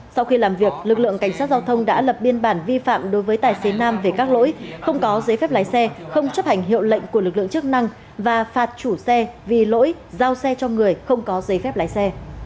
sau khi làm việc lực lượng cảnh sát giao thông đã lập biên bản vi phạm đối với tài xế nam về các lỗi không có giấy phép lái xe không chấp hành hiệu lệnh của lực lượng chức năng và phạt chủ xe vì lỗi giao xe cho người không có giấy phép lái xe